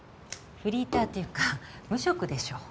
フリーターっていうか無職でしょ。